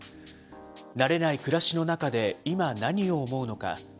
慣れない暮らしの中で今、何を思うのか。